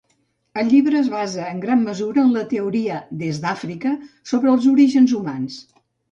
El llibre es basa en gran mesura en la teoria "des d'Àfrica" sobre els orígens humans.